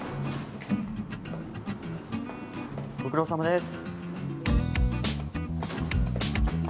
ご苦労さまです